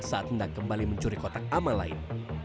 saat hendak kembali mencuri kotak amal lain